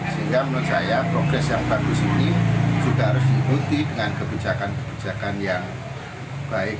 sehingga menurut saya progres yang bagus ini juga harus diikuti dengan kebijakan kebijakan yang baik